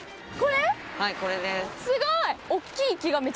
はいこれです。